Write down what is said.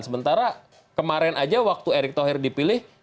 sementara kemarin aja waktu erick thohir dipilih